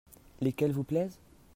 Lesquelles vous plaisent ?